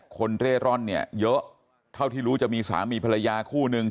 เร่ร่อนเนี่ยเยอะเท่าที่รู้จะมีสามีภรรยาคู่นึง